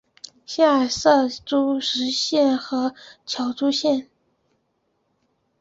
下设柘县和乔珠县。